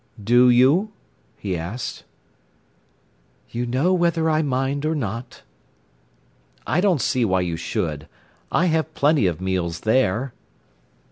"Do you?" he asked. "You know whether I mind or not." "I don't see why you should. I have plenty of meals there."